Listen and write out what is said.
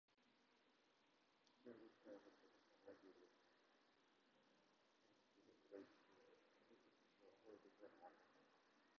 気球のどこかがやぶれて、ガスがもれているようすです。今まではりきっていた黒い気球に、少しずつしわがふえていくではありませんか。